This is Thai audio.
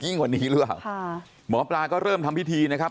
กิ้งกว่านี้เลยหรือหมอปลาก็เริ่มทำวิธีนะครับ